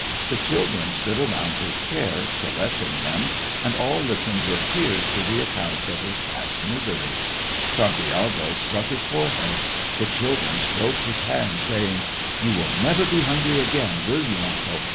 The children stood around his chair, caressing him, and all listened with tears to the accounts of his past misery. Santiago struck his forehead; the children stroked his hands, saying, "You will never be hungry again, will you, uncle?